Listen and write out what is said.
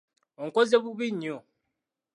Onkoze bubi nnyo!